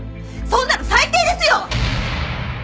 そんなの最低ですよ！！